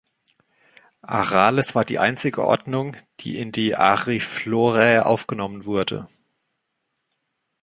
Arales war die einzige Ordnung, die in die Ariflorae aufgenommen wurde.